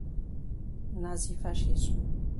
nazifascismo